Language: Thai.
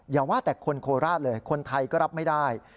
อย่าว่าแต่คนโคราชเลยคนไทยก็รับไม่ได้